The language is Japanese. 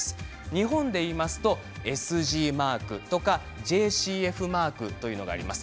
日本で言いますとＳＧマークとかＪＣＦマークというのがあります。